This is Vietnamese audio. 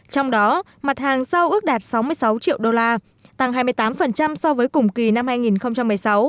trong đó mặt hàng giao ước đạt sáu mươi sáu triệu usd tăng hai mươi tám so với cùng kỳ năm hai nghìn một mươi sáu